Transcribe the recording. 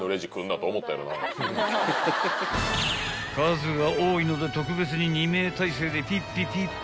［数が多いので特別に２名態勢でピッピピッピ］